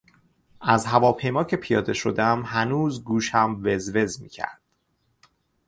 از هواپیما که پیاده شدم هنوز گوشم وز وز میکرد.